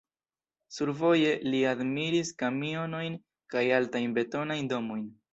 Survoje li admiris kamionojn kaj altajn betonajn domojn.